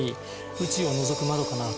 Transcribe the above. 宇宙を覗く窓かなと。